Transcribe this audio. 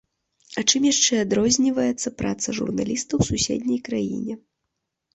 А чым яшчэ адрозніваецца праца журналіста ў суседняй краіне?